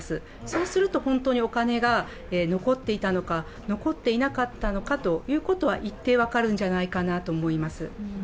そうすると本当にお金が残っていたのか残っていなかったのかは、一定分かるのではないかと思います。